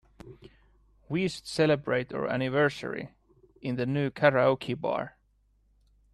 We should celebrate our anniversary in the new karaoke bar.